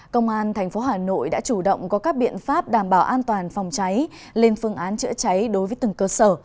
công an tp hà nội đã chủ động có các biện pháp đảm bảo an toàn phòng cháy lên phương án chữa cháy đối với từng cơ sở